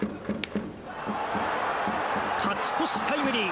勝ち越しタイムリー！